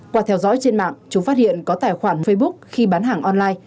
qua theo dõi trên mạng chúng phát hiện có tài khoản facebook khi bán hàng online